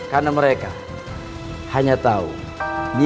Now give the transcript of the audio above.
karena mereka hanya tahu nimas subang lara